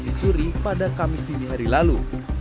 dicuri pada kamis dini hari lalu